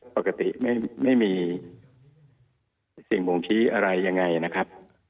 พกติไม่มีเสียงบงคิอะไรยังไงนะครับ